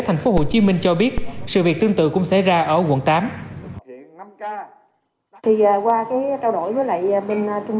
tp hcm cho biết sự việc tương tự cũng xảy ra ở quận tám thì qua cái trao đổi với lại bên trung